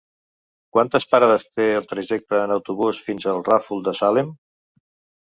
Quantes parades té el trajecte en autobús fins al Ràfol de Salem?